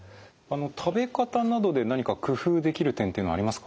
食べ方などで何か工夫できる点っていうのはありますか？